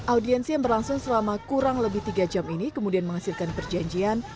audiensi yang berlangsung selama kurang lebih tiga jam ini kemudian menghasilkan perjanjian